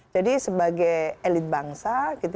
jadi sebagai elit bangsa